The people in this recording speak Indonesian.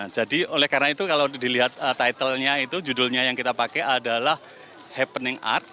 jadi karena itu kalau dilihat titelnya itu judulnya yang kita pakai adalah happening art